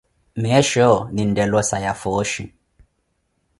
Meesho nineettela osaya fooshi.